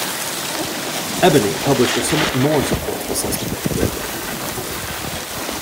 "Ebony" published a somewhat more supportive assessment of the program.